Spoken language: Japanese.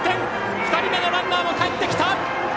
２人目のランナーもかえってきた。